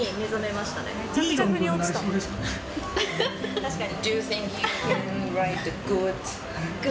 確かに。